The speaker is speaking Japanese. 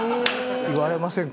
言われませんか？